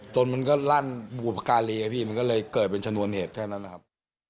มันก็ลั่นบุพการีอะพี่มันก็เลยเกิดเป็นชนวนเหตุแค่นั้นนะครับ